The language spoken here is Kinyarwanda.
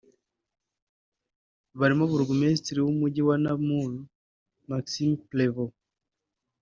barimo Burugumesitiri w’umujyi wa Namur (Maxime Prévot)